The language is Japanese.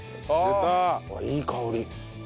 わあいい香り。